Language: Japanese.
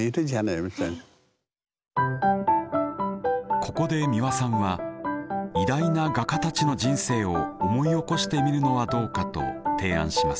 ここで美輪さんは偉大な画家たちの人生を思い起こしてみるのはどうかと提案します。